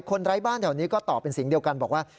ไร้บ้านแถวนี้ก็ตอบเป็นเสียงเดียวกันบอกว่า